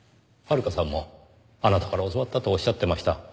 遥さんもあなたから教わったとおっしゃってました。